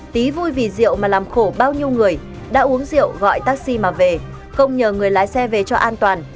tí vui vì rượu mà làm khổ bao nhiêu người đã uống rượu gọi taxi mà về không nhờ người lái xe về cho an toàn